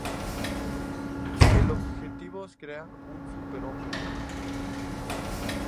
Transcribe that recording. El objetivo es crear un superhombre.